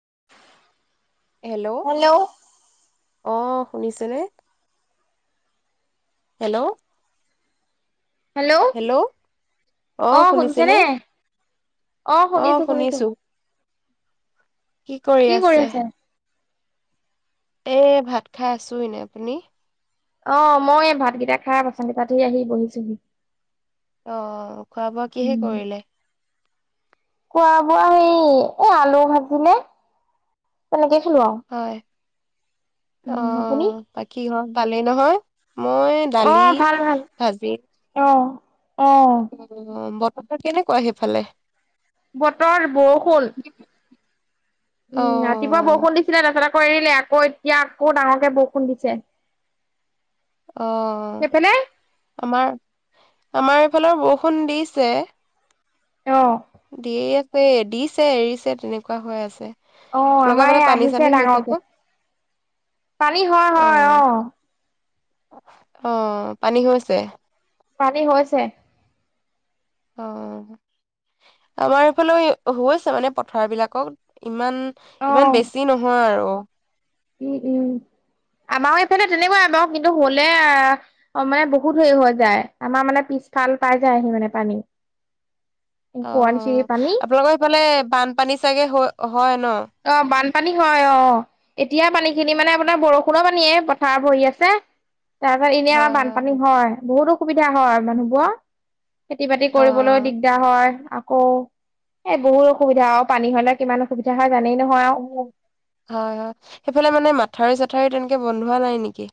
[inaudible] Hello অ শুনিছেনে hello hello অ শুনিছে নে অ শুনিছো শুনিছো কি কৰি আছে। এ ভাত খাই আছো এনে আপুনি অ', মই ভাতকেইটা খাই, বাচনকেইটা ধুই আহি বহিছোহি। অঁ' -খোৱা বোৱা কিহে উম। কৰিলে? খোৱা বোৱা হেৰি এ আলু ভাজিলে তেনেকে [unintelligible] উম অঁ'। বাকী হন পালেই নহয়। মই দালি অঁ ভাল ভাল আঁহ অঁ বতৰ কেনেকুৱা সেইফালে । বতৰ বৰষূণ অ উম্‌। ৰাতিপুৱা বৰষুণ দিছিলে তাপিছতে পৰিলে আকৌ এতিয়া আকৌ ডাঙৰকে বৰষুণ দিছে। অঁ', সেইফালে আমাৰ-আমাৰ ফালৰ বৰষুণ দিছে অঁ' দি আছে- দিছে এৰিছে তেনেকুৱা হৈ আছে অঁ, আপোনালোকৰ আমাৰ ফালে এই পানী চানী আহিছে হৈছে নে? ডাঙৰকে পানী হয় হয় আহ অঁ' পানী হৈছে? পানী হৈয়ছে অঁ' । আমাৰ এইফালই- হৈছে মানে পথাৰ বিলাকত। ইমান ইমান বেছি নহয় আৰু অঁ- উম্‌ উম্‌। আমাওঁ এইফালে তেনেকুৱাই বাওঁ কিন্তু হ'লে- আঁ' মানে বহুত হেই হৈ যায় আমাৰ মানে পিছফাল পাই যায়হি মানে পানী। অঁ, সোৱণশিৰি অঁ পানী আপোনালোকৰ সেইফালে বানপানী চাগে হয় হয় ন। অঁ বানপানী হয় অঁ এতিয়া পানী খিনি মানে আপোনাৰ বৰষুণৰ পানীয়ে পথাৰ ভৰি আছে। তাৰপিছত এনেই আমাৰ বানপানী হয় বহুতো অসুবিধা হয় মানুহবোট খেতি বাতি কৰিবলৈও দিগদাৰ হয় অঁ। এ' বহুত অসুবিধা আৰু পানী হ'লে কিমান অসুবিধা হয় জানেই নহয় আৰু [inaudible] হয় হয়। সেইফালে মানে মাথাউৰি চাত্‌ মথাৰিও তেনেকে বন্ধোৱা নাই নেকি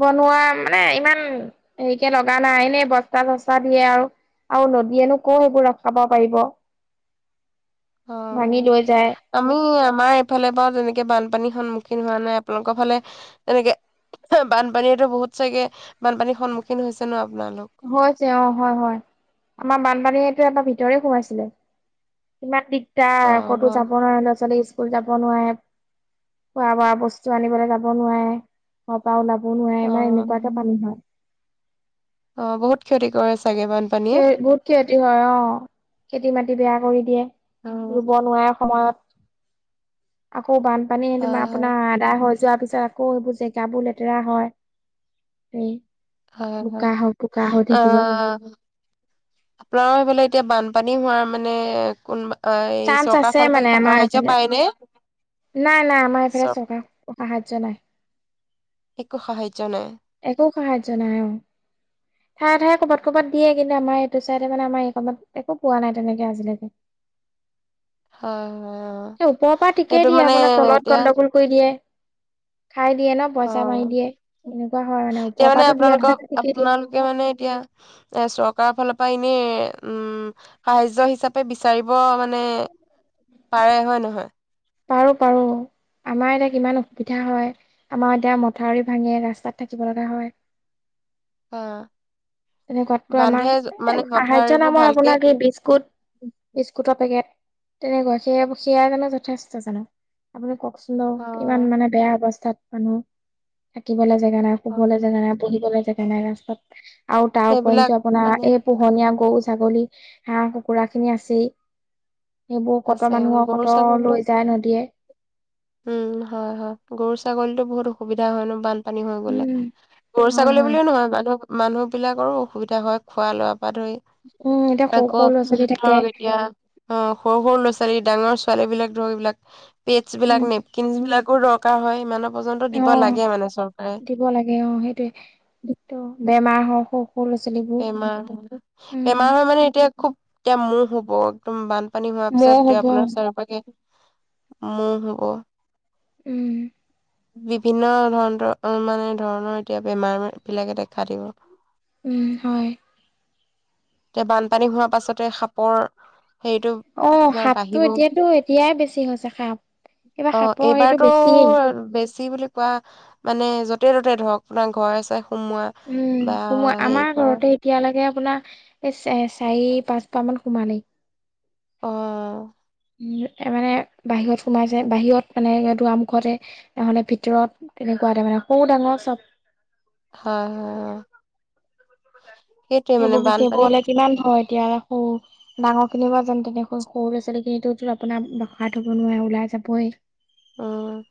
বনোৱা মানে-ইমান হেইকে লগা নাই এনে বস্তা- চস্তা দিয়ে আওঁ। আওঁ নদীয়েনো ক হেইবোৰ ৰখাব পাৰিব। অঁ উম্‌ ভাঙি লৈ যায় আমি আমাৰ এইফালে বা যেনেকে বানপানী । সন্মুখীন হোৱা নাই আপোনালোকৰ ফালে এনেকে বানপানীয়েতো বহুত চাগে বানপানীৰ সন্মুখীন হৈছে ন আপোনালোক হৈছে অঁ' হয় হয়। আমাৰ বানপানীয়ে এবাৰ ভিতৰে সোমাইছিলে। অ তাৰ ক'তো হয় যাব নোৱাৰে ল'ৰা-ছোৱালী স্কুল যাব নোৱাৰে। খোৱা-বোৱা বস্তু আনিবলে যাব নোৱায়ে, ঘৰ পা ওলাব কাব নোৱাৰে না অ এনেকুৱাকে পানী হয়। অ, ' বহুত ক্ষতি কৰিছ বহুত ক্ষতি হয় অ', খেতি মাটি বেয়া কৰি এতিয়া হয় ৰুব নোৱাৰা। সময়ত অ', বানপানীয়ে তোমাৰ আপোনাৰ আদা হয় যোৱাৰ পিছত আকৌ এইবোৰ জেগাবোৰ লেতেৰা হয়, এই হয়, বোকা হয়, হৈ বোকা হৈ অ'। থাকিব আপনাৰো হেইফালে এতিয়া বানপানী হোৱাৰ মানে কোনবা অ', এই চান্স চৰকাৰৰ আছে ফালৰ পৰা মানে কিবা আমাৰ সাহাৰ্য্য এইফালে পায় নে? নাই, নাই আমাৰ এফালে চৰকাৰৰ সাহায্য নাই । একো সাহায্য নাই। একো সাহাৰ্য নাই অ', ঠায়ে ঠায়ে ক'বাত ক'বাত দিয়ে, কিন্তু আমাৰ এইটো চাইডে মানে আমাৰ এই কনত একো পোৱা নাই তেনেকে আজিলৈকে। হয় হয় এ, অ ওপৰ পা ঠিকেই এইটো দিয়ে মানে আপোনাক তলত এতিয়া গণ্ডগোল কৰি দিয়ে। খাই দিয়ে ন' পইচা মাৰি দিয়ে। এনেকুৱা হয় তিয়া ওপৰৰ মানে পৰাতো দিয়াতো আপোনালোকক ঠিকেই দিয়ে আপোনালোকে মানে এতিয়া, এ' চৰকাৰৰ ফালৰপা ইনে, উম, সাহায্য হিচাপে বিচাৰিব অ', মানে পাৰে, হয়, নহয়? পাৰো পাৰো আমাৰ এতিয়া কিমান অসুবিধা হয় আমাৰ এতিয়া মথাউৰি ভাঙে ৰাস্তাত থাকিব লগা হয়। বা তেনেকুৱাতটো আমাৰ এ' সাহায্য মথাউৰিবোৰ নামৰ ভালকে আপোনাক এই বিস্কুট-বিস্কুটৰ পেকেট তেনেকুৱা সেয়া সেয়া জানো যথেষ্ট জানো আপুনি কওঁকচোন? অ কিমান মানে বেয়া অৱস্থাত মানুহ থাকিব লাগে। জেগা নাই হয় শুবলৈ হয় জেগা নাই বহিবলৈ জে তেনে ৰাস্তাত আও তা সেইবিলাক পঞ্চো আপোনাৰ, মানে এই পোহনীয়া গৰু-ছাগলী হাঁহ-কুকুৰা খিনি আছেই। সেইবোৰ আছে কত মানুহৰ কত গৰু-ছাগলীটো লৈ যায় নদীয়ে উম, হয়, হয় গৰু-ছাগলী বহুত অসুবিধা হয় ন বান পানী হৈ গ'লে। উম গৰু হয় ছাগলী হয় বুলিয়ও নহয় মানুহক মানুহ বিলাকৰো অসুবিধা হয় খোৱা লোৱা। [unintelligible] উম এতিয়া সৰু আকৌ সৰু ল'ৰা ছোৱালী থাকে ধৰক এতিয়া অ'। সৰু ল'ৰাছোৱালী, ডাঙৰ ছোৱালী বিলাক ধৰ এইবলাক পেডচবিলাক, উম নেপকিনছ বিলাক। একো দৰকাৰ হয় ইমানক অ' দিব লাগে। অ' সেইটোয়ে বেমাৰ [unintelligible] বেমাৰ, উম বেমাৰ হয় মানে এতিয়া। খুব এতিয়া মহ হ'ব একদম বান পানী হোৱাৰ মহ পিছত হ'ব আপোনাৰ [unintelligible] মহ হব। উম। বিভিন্ন ধৰ মানে ধৰণৰ এতিয়া বেমাৰ বিলাকে দেখা দিব। উম হয়। এতিয়া বানপানী হোৱাৰ পাছতে সাপৰ হেৰিটো অ' আপোনাৰ সাপটো বাঢ়িব। এতিয়াতো এতিয়াই বেছি হৈছে সাপ এইবাৰ সাপৰ হেইটো বেছিয়েই। চি বুলি কোৱা মানে য'তে ত'তে ধৰক আপোনাৰ ঘৰ চাই উম [unintelligible] আমাৰ ঘৰতে এতিয়ালৈকে আপোনাৰ সেই চাৰি পাঁচবাৰ মান সোমালেই। অ'। উম মানে বাহিৰত সোমাই যায় বাহিৰত মানে দুৱাৰমুখতে নহ'লে ভিতৰত তেনেকুৱাতে মানে সৰু ডাঙৰ চব। হয় হয় অ'। সেইটোৱে মানে সেইবোৰ বানপানী সেইবোৰলে কিমান ভয় এতিয়া ৰাখো ডাঙৰ খিনিৰ বা যেন তেনেকৈ সৰু ল'ৰা ছোৱালী খিনিতো তো আপোনাৰ ৰখায় থ'ব নোৱাৰে ওলাই যাবই। উম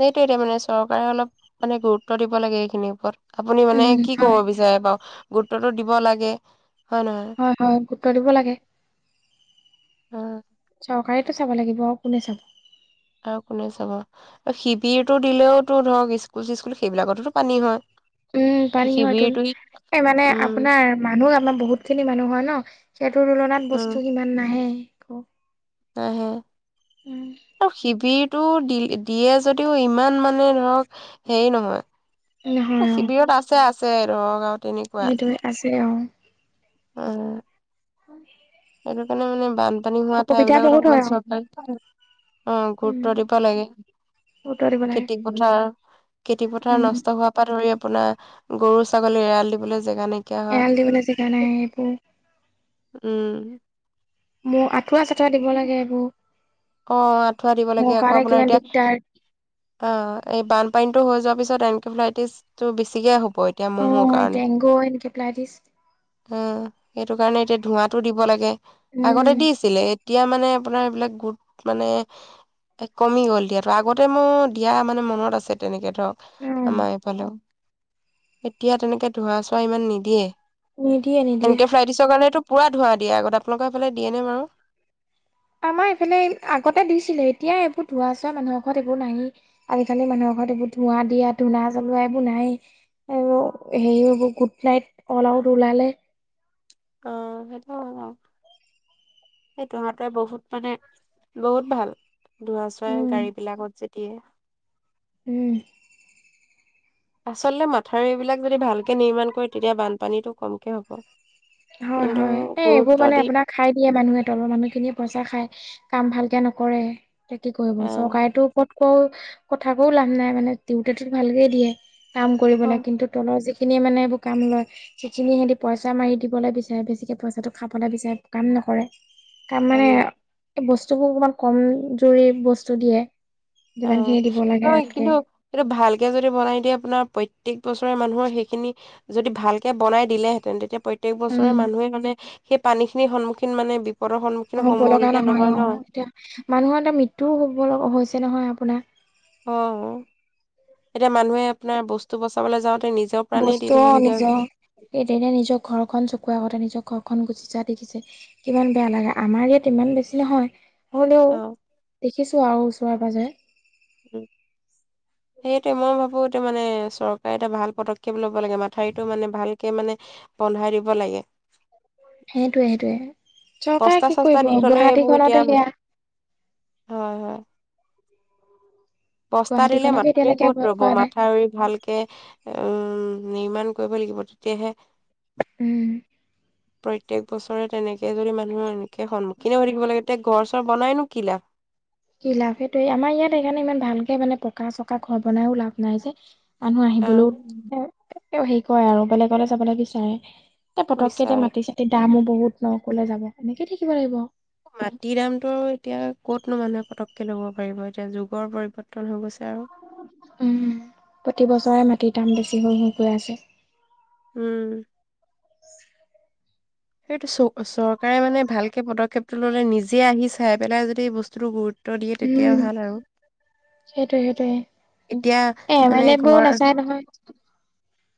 সেইটো এতিয়া মানে চৰকাৰে অলপ মানে গুৰুত্ব দিব লাগে এইখিনিৰ ওপৰত। আপুনি মানে উম কি কব হয় বিচাৰে বাৰু [unintelligible] টো দিব লাগে। হয় হয় হয় গুৰুত্ব দিব লাগে নহয়? [unintelligible] চৰকাৰেতো চাব লাগিব আৰু কোনে চাব। আৰু কোনে চাব আৰু শিবিৰটো দিলেওতো ধৰক স্কুল চিস্কুল সেইবিলাকতো পানী হয়। উম পানী হয়তো। শিবিৰটো এ মানে উম আপোনাৰ মানুহ আমাৰ বহুত খিনি মানুহ হয় ন সেইটোৰ তুলনাত উম বস্তু ইমান নাহে। [unintelligible] নাহে। উম। আৰু শিবিৰ টো দ দিয়ে যদিও ইমান মানে ধৰক হেৰি নহয়। অ শিবিৰত আছে, আছে [inaudible] সেইটোয়ে আছে অ উ [inaudible] সেইটো কাৰণে মানে বান পানী হোৱা ঠাই অসুবিধা বিলাকত বহুত হয় অকমান অ, চৰ অ উম। গুৰুত্ব দিব লাগে, গুৰুত্ব দিব লাগে, খেতি পথাৰ, খেতি পথাৰ উম, নষ্ট হোৱাৰ পৰা ধৰি আপোনাৰ গৰু-ছাগলী এৰাল দিবলৈ জেগা নাইকিয়া হয় এৰাল দিবলে জেগা নাই এইবোৰ উম মোৰ ঠুৱা-চঠুৱা দিব লাগে এইবোৰ অ' আঁঠুৱা দিব মোৰ লাগে আকৌ কাৰণে আপোনাৰ কিমান এতিয়া, দিগদাৰ। অ' এই বানপানীতো হৈ যোৱাৰ পিছত [unintelligible] বেছিকে হ'ব অ, এতিয়া [unintelligible] কাৰণে ডেংগু, এনকেফেলাইটিছ, অ সেইটো কাৰণ এতিয়া ধোঁৱাটো দিব লাগে। আগতে উম, দিছিলে এতিয়া মানে আপোনাৰ এইবিলাক গোট মানে, এ কমি গ'ল দিয়াতো, আগতে মোৰ দিয়া মানে মনত আছে তেনেকে ধক উম, আমাৰ এইফালেও এতিয়া তেনেকে ধোঁৱা-চোৱা ইমান নিদিয়ে। নিদিয়ে নিদিয়ে। এনেকে ফ্লাইটিচৰ কাৰণেটো পুৰা ধোৱা দিয়ে আগত আপোনালোকৰ সেইফালে দিয়ে নে বাৰু? আমাৰ এইফালে আগতে দিছিলে এতিয়া এইবোৰ ধোৱা-চোৱা মানুহৰ ঘৰত এইবোৰ নায়েই, আজিকালি মানুহৰ ঘৰত এইবোৰ ধোঁৱা দিয়া, ধোঁৱা জ্বলোৱা এইবোৰ নাই, এইবোৰ হেৰি এইবোৰ গুড নাইট, অল আউত ওলালে আহ সেইটো আৰু, সেইটো [unintelligible] বহুত মানে বহুত ভাল ধোঁৱা-চোৱা গাড়ী উম বিলাকত যে দিয়ে উম আচলতে মাথাৰি এইবিলাক যদি ভালকে নিৰ্মাণ কৰে তেতিয়া বানপানীটো কমকে হ'ব। হয়, কিন্তু হয়, এ এইবোৰ গুৰুত্ব মানে দি আপোনাক খাই দিয়ে মানুহে তলৰ মানুহখিনিয়ে পইচা খায় কাম ভালকে নকৰে এ কি কৰিব আহ চৰকাৰেতো ওপৰত ক কথাকৈও লাভ নাই মানে দিওঁতেটো ভালকেই দিয়ে কাম কৰিব লাগে হয় কিন্তু তলৰ যি সিখিনি মানে এইবোৰ কাম লয়, সিখিনি সিহতি পইচা মাৰি দিব হ'বলৈ বিচাৰে বেছিকে পইচাটো খাবলৈ বিচাৰে, কাম নকৰে। কাম তাৰমানে ন বস্তুবোৰ অকনমান কম জুৰি বস্তু দিয়ে। যিমান খিনি দিব লাগে অঁ, তাতকে কিন্তু এইটো ভালকে যদি বনাই দিয়ে আপোনাৰ প্ৰত্যক বস্তু মানুহৰ সেইখিনি যদি ভালকে বনাই দিলেহেঁতেন, তেতিয়া প্ৰত্যেক বছৰে উম মানুহে মানে সেই পানীখিনিৰ সন্মুখীন মানে বিপ্‌ হ'ব লাগা নহয় অ', এতিয়া মানুহৰ এতিয়া মৃত্যুও হ'ব লগা হৈছে [unintelligible] নহয় আপোনাৰ অ'। এতিয়া মানুহে আপোনাৰ বস্তু বস ক'ৰবালৈ যাওঁত বস্তু অঁ নিজৰ, কেতিয়াকে নিজৰ ঘৰখন চকুৰ আগতে নিজৰ ঘৰ খন গুচি যোৱা দেখিছে, কিমান বেয়া লাগে আমাৰ ইয়াত ইমান বেছি নহয়। হ'লেও অ দে খিছোঁ আও ওচৰে-পাঁজৰে। উম্, সেইটোৱে মইও ভাবোঁ এটো মানে চৰকাৰে এটা ভাল পদক্ষেপ লব লাগে। মাথাউৰিটো মানে ভালকে মানে বন্ধাই দিব লাগে। সেইটোয়ে- সেইটোয়ে। বস্তা চস্তা দি থলে এইবোৰ এতিয়া, সেয়া হয় হয়। বস্তা দিলে গুৱাহাটীখনকে মাথাউৰি এতিয়ালৈকে ক'ত বধ ৰ'ব, কৰা নাই মাথাউৰি ভালকে উম্‌ নিৰ্মাণ কৰিব লাগিব তেতিয়াহে। উম প্ৰত্যক বছৰে তেনেকে যদি মানুহ এনেকে সন্মুখীনে হৈ থাকিব লাগে তে ঘৰ চৰ বনাইনো কি লাভ? কি লাভ, সেইটোৱে আমাৰ ইয়াত সেইকাৰণে ইমান ভালকে মানে পকা চকা ঘৰ বনাইও লাভ নাই যে। মানুহ অ আহিবলৈও তেওঁ হেই কৰে আৰু বেলেগলে যাবলে বিচাৰে। পতককে এতিয়া বিচাৰে মাটি চাটিৰ দামো বহুত ন, কলে যাব। এনেকেই থাকিব লাগিব। মাটি দামটো এতিয়া কতনো মানুহে পটককে ল'ব পাৰিব, এতিয়া যুগৰ পৰিবৰ্তন হৈ গৈছে আৰু উম, প্ৰতি বছৰে মাটিত দাম বেছি হৈ-হৈ গৈ আছে। উম। সেইটো চ- চৰকাৰে মানে ভালকে পদক্ষেপটো ল'লে নিজে আহি চাই পেলাই যদি বস্তুটো গুৰু উম সেইটোয়ে- সেইটোয়ে, এতিয়া এ এম মানে লে বোৰেও ঘৰ নাচায় নহয়,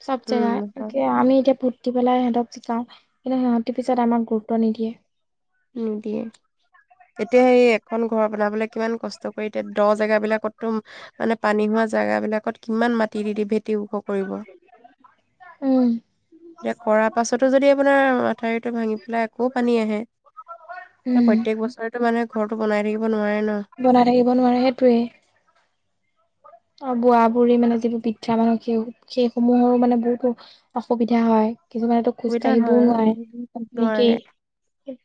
চব জেগা উম হয়, এতিয়া আমি এতিয়া দি পেলাই সেহেঁতক জিকাও, কিন্তু সিহঁতি পিছত আমাক গুৰুত্ব নিদিয়ে। নিদিয়ে, এতিয়া সেই এখন ঘৰ বনাবলে কিমান কষ্ট কৰি এতিয়া দ জেগা বিলাকতো মানে পানী হোৱা জেগাবিলাকত কিমান মাটি দি- দি ভেটি ওখ কৰিব, উম এতিয়া কৰাৰ পাছতো যদি আপোনাৰ ঠাউৰিটো ভাঙি পেলাই আকৌ পানী আহে। উম প্ৰত্যেক বছৰে টো মানুহে ঘৰটো বনাই থাকিব নোৱাৰে ন? বনাই থাকিব নোৱাৰে সেইটোৱে অ' বুআ-বুঢ়ী মানে যিবোৰ বৃদ্ধা মানুহ সেই- সেইসমূহৰো মানে বহুতো অসুবিধা হয়। কিছুমানেতো খোজ অসুবিধা হয় কাঢ়িবও নোৱাৰে। আৰু। নোৱাৰে এনেকেই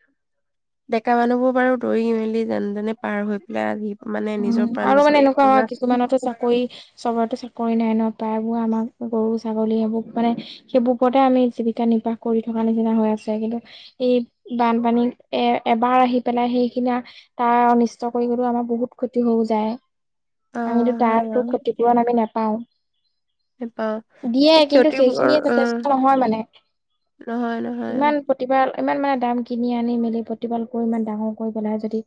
এটা মানুহবোৰ বাৰু দৌৰি মেলি যেন তেনে পাৰ হৈ পেলাই আহি মানে উম, নিজৰ প্ৰাণ আৰু বচাব মানে এই এনেকুৱা হয়, বুঢ়া কিছুমানতো চাকৰি চবৰটো চাকৰি নাই ন? প্ৰায়বোৰ আমাৰ গৰু ছাগলী সেইবোৰ মানে সেইবোৰ ওপৰতে আমি জীৱিকা নিৰ্বাহ কৰি থকা নিচিনা হৈ আছে কিন্তু এই বানপানী এ এবাৰ আহি পেলাই সেইখিনি তাৰ অনিচ ত কৰি গলো আমাৰ বহুত ক্ষতি হৈও যায়। অ' আমিতো তাৰ হয় একো বাৰু ক্ষতিপূৰণ আমি নাপাওঁ। নাপাওঁ দিয়ে এই কিন্তু ক্ষতিবোৰ সেইখিনিয়ে যথেষ্ট উম, নহয় মানে। নহয় নহয় ইমান প্ৰতিবাৰ ইমান মানে দাম কিনি আনি-মেলি প্ৰতিপাল কৰি ইমান ডাঙৰ কৰি পেলাই যদি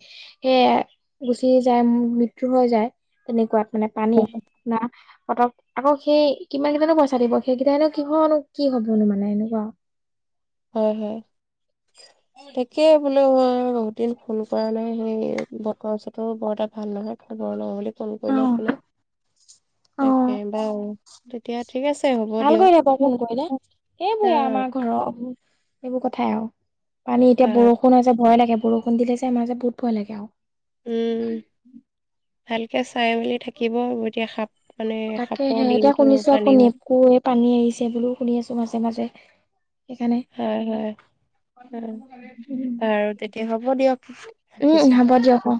সেয়াই গুচি যায় মৃত্যু হৈ যায়, তেনেকুৱাত। মানে পানী- অ'। না সহঁতক আকৌ সেই- কিমান কিটানো পইচা দিব, সেইকেটাইনো কিহৰনো কি হ'বনো মানে এনেকুৱা। হয়, হয়। তাকেই বোলো মই বহুতদিন ফোন কৰা নাই। সেই বতৰ-চতৰো বৰ এটা ভাল নহয় খবৰ লওঁ বুলি। ফোন কৰিলে অ', বোলে তাকে অ'। বাই তেতিয়া ঠিক আছে হ'ব ভাল দিয়ক। কৰি [unintelligible] ফোন কৰিলে এইবোৰে অ' আমাৰ ঘৰৰ এইবোৰ কথাই আও পানী এতিয়া বাৰু বৰষুণ হৈছে ভয় লাগে বৰষুণ দিলে যে আমাৰ যে বহুত ভয় লাগে আও। উম, [unintelligible] [unintelligible] চাই মেলি থাকিব। এতিয়া সাপ- মানে তাকে সাপৰ সে দিনটো পানী হোৱা। এইবুলিও শুনি আছোঁ মাজে মাজে। সেইকাৰণে হয় হয় অ'। উম আৰু তেতিয়া হ'ব দিয়ক উম, ৰাখিছোঁ।। হ'ব দিয়ক অ।